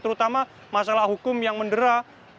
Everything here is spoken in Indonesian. terutama masalah hukum yang mendera